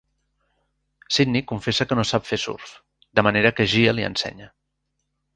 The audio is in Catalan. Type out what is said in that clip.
Sydney confessa que no sap fer surf, de manera que Gia li ensenya.